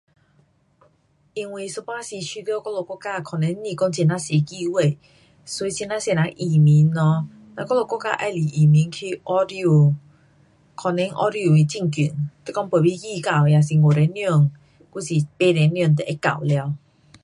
因为一半时觉得我们国家可能不讲很呀多机会，所以很呐多人移民咯。嘚我们国家喜欢移民去澳洲，可能澳洲位很近，是讲飞飞机到也是五点钟。还是八点钟就会到了。